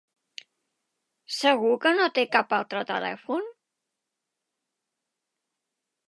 Segur que no té cap altre telèfon?